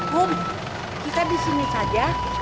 bum kita di sini saja